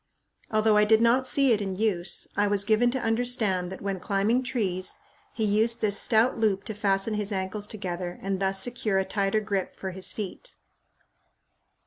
Although I did not see it in use, I was given to understand that when climbing trees, he used this stout loop to fasten his ankles together and thus secure a tighter grip for his feet.